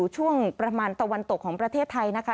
ช่วงประมาณตะวันตกของประเทศไทยนะคะ